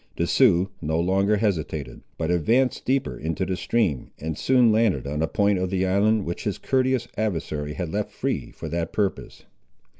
The Sioux no longer hesitated, but advanced deeper into the stream, and soon landed on a point of the island which his courteous adversary had left free for that purpose.